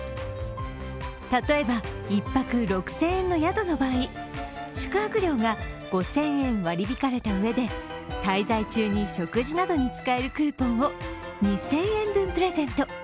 例えば１泊６０００円の宿の場合宿泊料が５０００円割り引かれたうえで滞在中に食事などに使えるクーポンを２０００円分プレゼント。